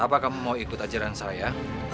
apa kamu mau ikut ajaran saya